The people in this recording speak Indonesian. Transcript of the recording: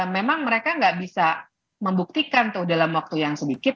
memang mereka nggak bisa membuktikan tuh dalam waktu yang sedikit